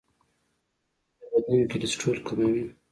مالټې د بدن کلسترول کموي.